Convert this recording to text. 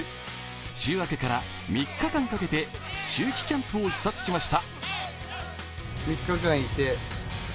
週明けから３日間かけて秋季キャンプを視察しました。